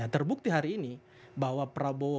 terbukti hari ini bahwa prabowo